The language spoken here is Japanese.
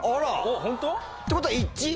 ホント？ってことは。